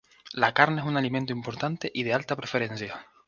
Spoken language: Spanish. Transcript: La carne es un alimento importante y de alta preferencia.